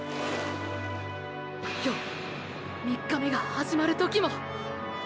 今日３日目がはじまる時も。